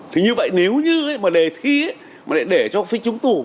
thì như vậy nếu như mà đề thi để cho học sinh trúng tủ